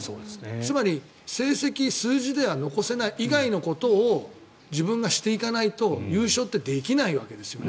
つまり、成績や数字では残せないそれ以外のことを自分がしていかないと優勝ってできないわけです。